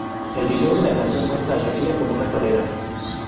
El video de la canción muestra a Shakira como una torera.